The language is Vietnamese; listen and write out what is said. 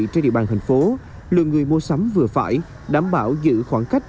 trên địa bàn thành phố lượng người mua sắm vừa phải đảm bảo giữ khoảng cách